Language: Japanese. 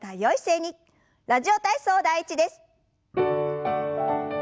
「ラジオ体操第１」です。